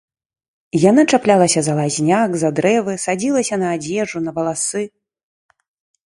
Яна чаплялася за лазняк, за дрэвы, садзілася на адзежу, на валасы.